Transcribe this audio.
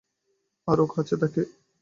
আরও কাছ থেকে।